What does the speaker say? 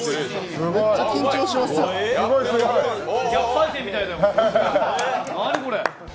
逆再生みたいだよ！